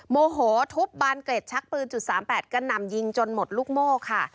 โมโหทุบบานเกร็ดชักปืนจุด๓๘กระหน่ำยิงจนหมดลูกโม่ค่ะ